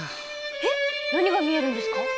えっ何が見えるんですか？